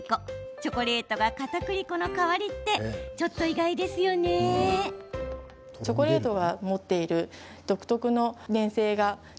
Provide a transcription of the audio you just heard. チョコレートがかたくり粉の代わりってちょっと意外ですが。